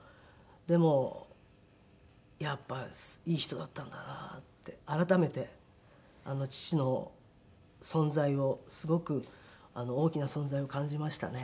でもやっぱりいい人だったんだなって改めてあの父の存在をすごく大きな存在を感じましたね。